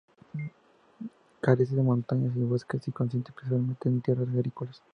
Carece de montañas y bosques, y consiste principalmente en tierras agrícolas.